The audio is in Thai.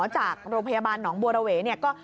จากโรงพยาบาลหนองบัวระเวเนี่ยก็